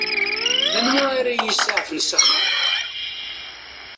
Anwa ara iyi-isaɛfen s axxam?